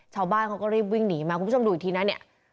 ชาวบ้านเขาก็รีบวิ่งหนีมาคุณผู้ชมดูอีกทีนะเนี่ย